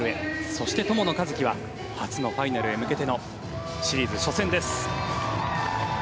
そして友野一希は初のファイナルへ向けてのシリーズ初戦です。